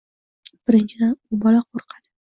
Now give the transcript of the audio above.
Birinchidan, u bola qo‘rqadi.